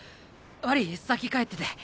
悪ぃ先帰ってて。